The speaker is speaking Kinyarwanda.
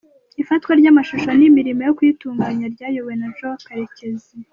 Ifatwa ry’amashusho n’imirimo yo kuyitunganya ryayobowe na Joel Karekezi.